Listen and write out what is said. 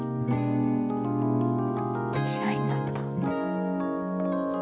嫌いになった？